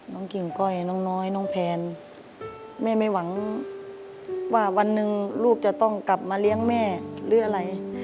กิ่งก้อยน้องน้อยน้องแพนแม่ไม่หวังว่าวันหนึ่งลูกจะต้องกลับมาเลี้ยงแม่หรืออะไร